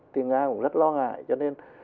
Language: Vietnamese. thì nga cũng rất lo ngại cho nên